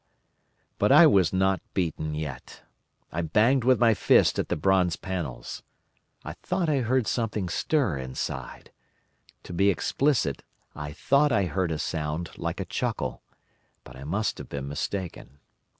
"But I was not beaten yet. I banged with my fist at the bronze panels. I thought I heard something stir inside—to be explicit, I thought I heard a sound like a chuckle—but I must have been mistaken.